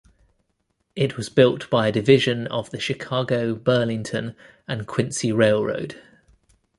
It was built by a division of the Chicago, Burlington and Quincy Railroad.